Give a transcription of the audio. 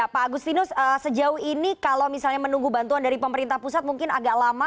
pak agustinus sejauh ini kalau misalnya menunggu bantuan dari pemerintah pusat mungkin agak lama